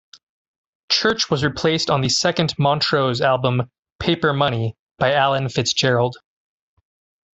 Church was replaced on the second Montrose album "Paper Money" by Alan Fitzgerald.